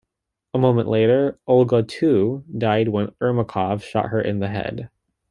A moment later, Olga too died when Ermakov shot her in the head.